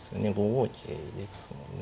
５五桂ですもんね